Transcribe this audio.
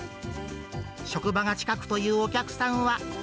職場が近くというお客さんは。